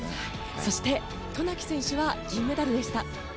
そして、渡名喜選手は銀メダルでした。